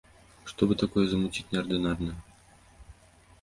Што бы такое замуціць неардынарнае?